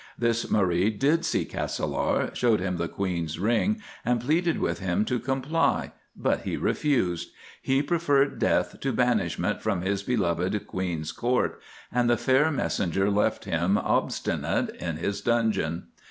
This Marie did see Castelar, showed him the Queen's ring, and pleaded with him to comply, but he refused—he preferred death to banishment from his beloved Queen's Court, and the fair messenger left him obstinate in his dungeon.